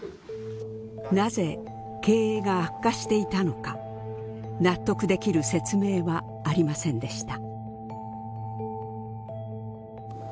なぜ経営が悪化していたのか納得できる説明はありませんでした。